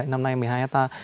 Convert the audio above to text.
năm nay một mươi hai hectare